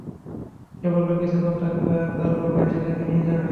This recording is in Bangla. সে বলল সে কিছুক্ষণ থাকবে আর তার বাবা এসে তাকে নিয়ে যাবে।